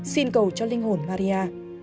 xin cầu cho linh hồn maria